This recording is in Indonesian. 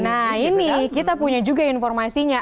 nah ini kita punya juga informasinya